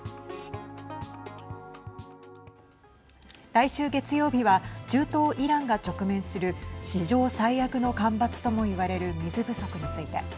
来週月曜日は中東イランが直面する史上最悪の干ばつともいわれる水不足について。